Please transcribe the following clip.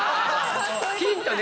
ヒントね。